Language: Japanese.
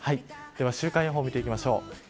では週間予報を見ていきましょう。